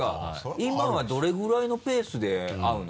今はどれぐらいのペースで会うの？